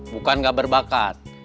bukan gak berbakat